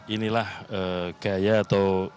inilah gaya atau